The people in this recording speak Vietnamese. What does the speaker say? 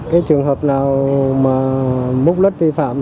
cái trường hợp nào mà múc đất vi phạm